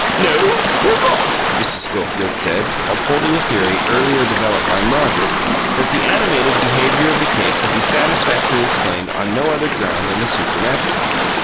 "No; you're wrong," Mrs. Schofield said, upholding a theory, earlier developed by Margaret, that the animated behaviour of the cape could be satisfactorily explained on no other ground than the supernatural.